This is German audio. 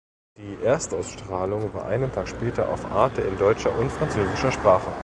Die Erstausstrahlung war einen Tag später auf arte in deutscher und französischer Sprache.